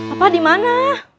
apa di mana